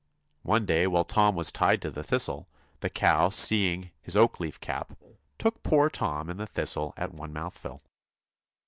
One day whilst Tom was tied to the thistle, the cow seeing his oakleaf cap, took poor Tom and the thistle at one mouthful.